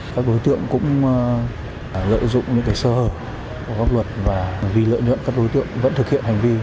các đối tượng cũng lợi dụng những sơ hở của pháp luật và vì lợi nhuận các đối tượng vẫn thực hiện hành vi